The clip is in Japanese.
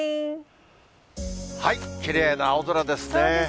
きれいな青空ですね。